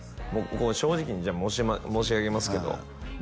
正直にじゃあ申し上げますけど僕